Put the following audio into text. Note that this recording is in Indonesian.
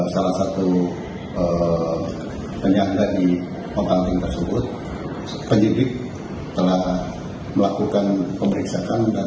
salah satu penyangga di pembanding tersebut penyidik telah melakukan pemeriksaan dan